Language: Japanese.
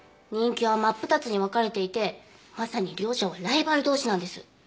人気は真っ二つに分かれていてまさに両社はライバル同士なんです。